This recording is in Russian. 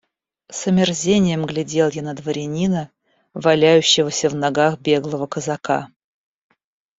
С омерзением глядел я на дворянина, валяющегося в ногах беглого казака.